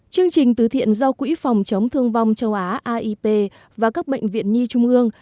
chương trình tứ thiện do quỹ phòng chống thương vong châu á aip và các bệnh viện nhi trung ương